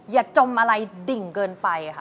จมอะไรดิ่งเกินไปค่ะ